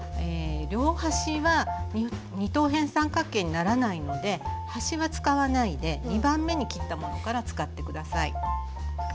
両端は二等辺三角形にならないので端は使わないで２番目に切ったものから使って下さい。